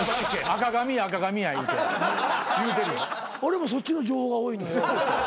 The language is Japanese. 俺もそっちの情報が多いのよ。